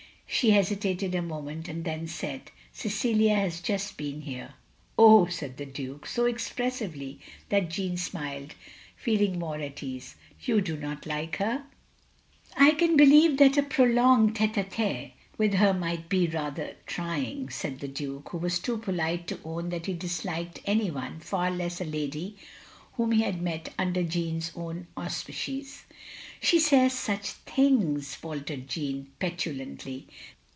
She hesitated a moment, and then said, "Cecilia has just been here." "Oh!" said the Duke, so expressively that Jeanne smiled, feeling more at ease. "You do not like her?" x6 242 THE LONELY LADY "I can believe that a prolonged tite A tHe with her might be — ^rather trying," said the Diike, who was too polite to own that he disliked any one, far less a lady whom he had met tmder Jeanne's own auspices. "She says such things" — ^faltered Jeanne, petu lantly.